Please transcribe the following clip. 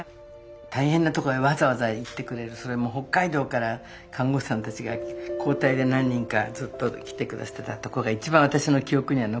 大変なとこへわざわざ行ってくれるそれも北海道から看護師さんたちが交代で何人かずっと来て下さってたとこが一番私の記憶には残ってるもんで。